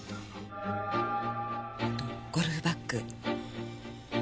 あとゴルフバッグ。